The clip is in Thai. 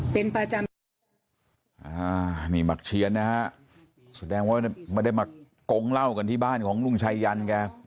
เป็นประจำอ่านี่หมักเชียนนะฮะแสดงว่าไม่ได้มากงเหล้ากันที่บ้านของลุงชายันแก